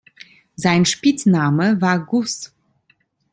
Sein Spitzname war "Gus".